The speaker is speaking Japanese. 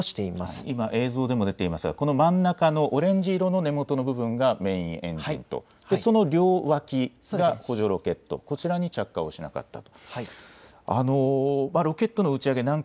今、映像でも出ていますが真ん中のオレンジの根元の部分がメインエンジン、その両脇が補助ロケット、こちらに着火しなかったと。